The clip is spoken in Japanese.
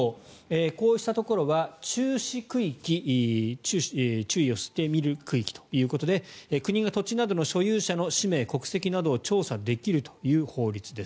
こうしたところは注視区域、注意をして見る区域ということで国が土地などの所有者の氏名・国籍などを調査できるという法律です。